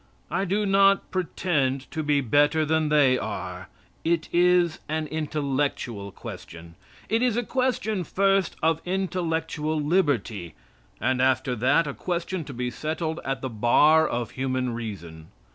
I do not pretend to be better than they are. It is an intellectual question. It is a question, first, of intellectual liberty, and after that, a question to be settled at the bar of human reason.